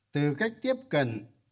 từ cách tiếp cận